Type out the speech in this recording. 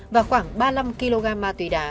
và khoảng ba mươi năm kg ma túy đá